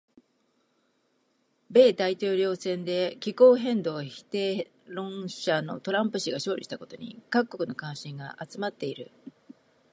米大統領選で気候変動否定論者のトランプ氏が勝利したことに各国の関心が集まっている。